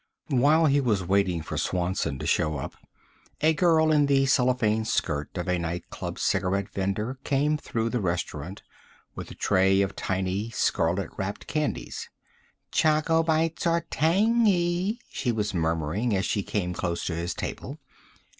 While he was waiting for Swanson to show up, a girl in the cellophane skirt of a nightclub cigarette vendor came through the restaurant with a tray of tiny scarlet wrapped candies. "Choco Bites are tangy," she was murmuring as she came close to his table.